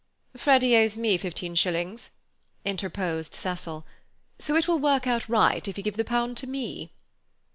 "Freddy owes me fifteen shillings," interposed Cecil. "So it will work out right if you give the pound to me."